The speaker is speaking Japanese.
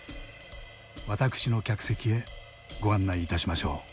私の客席へご案内いたしましょう。